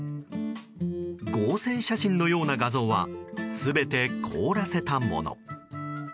合成写真のような画像は全て凍らせたもの。